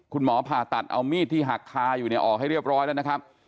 คุณหมอผ่าตัดเอามีดที่หักคาออกให้เรียบร้อยแล้วนะครับ